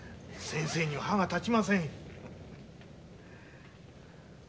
先生には歯が立ちませんよ。